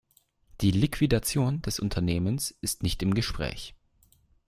Die Liquidation des Unternehmens ist nicht im Gespräch.